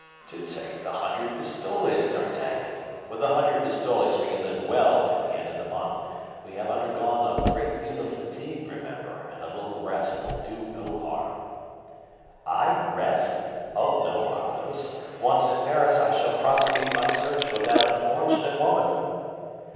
"To take the hundred pistoles, D'Artagnan. With the hundred pistoles we can live well to the end of the month. We have undergone a great deal of fatigue, remember, and a little rest will do no harm." "I rest? Oh, no, Athos. Once in Paris, I shall prosecute my search for that unfortunate woman!"